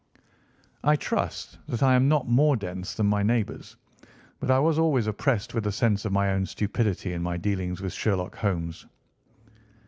I trust that I am not more dense than my neighbours, but I was always oppressed with a sense of my own stupidity in my dealings with Sherlock Holmes.